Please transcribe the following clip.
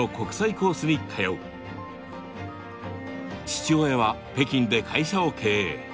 父親は北京で会社を経営。